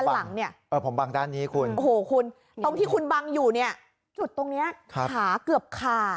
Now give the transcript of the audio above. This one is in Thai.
ด้านหลังเนี่ยโอ้โหคุณตรงที่คุณบังอยู่เนี่ยจุดตรงเนี่ยขาเกือบขาด